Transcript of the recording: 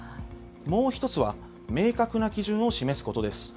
もう１つは、明確な基準を示すことです。